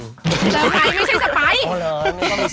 เลยไหมไม่ใช่สไพรส์